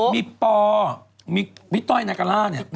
มีปอพี่ต้อยนักการ่า